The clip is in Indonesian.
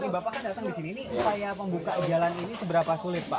tapi bapak kan datang di sini ini upaya membuka jalan ini seberapa sulit pak